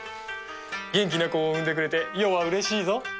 元気な子を産んでくれて余はうれしいぞ。